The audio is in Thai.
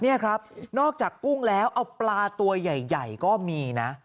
นี่ครับนอกจากกุ้งแล้วเอาปลาตัวใหญ่ก็มีนะ